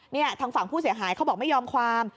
นี่ทางฝั่งผู้เสียหายเขาบอกไม่ยอมความ